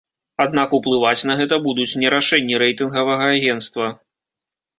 Аднак уплываць на гэта будуць не рашэнні рэйтынгавага агенцтва.